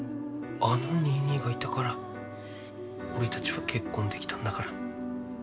あのニーニーがいたから俺たちは結婚できたんだから。